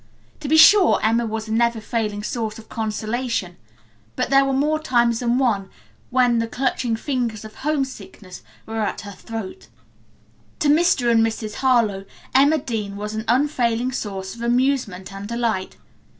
To be sure Emma was a never failing source of consolation, but there were more times than one when the clutching fingers of homesickness were at her throat. To Mr. and Mrs. Harlowe, Emma Dean was an unfailing source of amusement and delight.